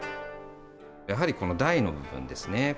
やはりこの台の部分ですね。